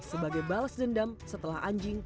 sebagai balas dendam setelah anjing